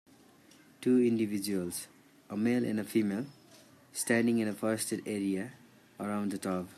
Two individuals, a male and a female, standing in a forested area around a tub.